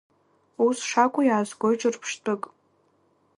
Ус шакәу иаазгоит ҿырԥштәык.